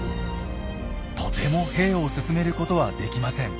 とても兵を進めることはできません。